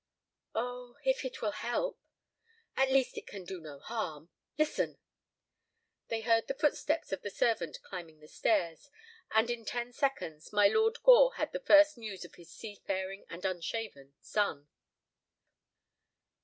"Oh—if it will help." "At least it can do no harm. Listen!" They heard the footsteps of the servant climbing the stairs, and in ten seconds my Lord Gore had the first news of his seafaring and unshaven son.